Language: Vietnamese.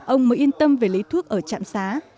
ông mới yên tâm về lấy thuốc ở trạm xá